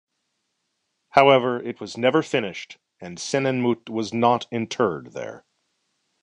However, it was never finished and Senenmut was not interred there.